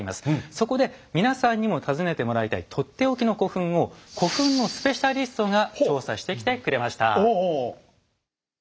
そこで皆さんにも訪ねてもらいたいとっておきの古墳を古墳のスペシャリストが調査してきてくれました。